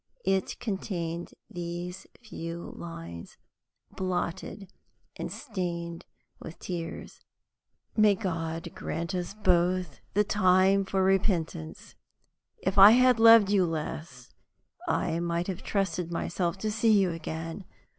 It contained these few lines, blotted and stained with tears: May God grant us both the time for repentance! If I had loved you less, I might have trusted myself to see you again.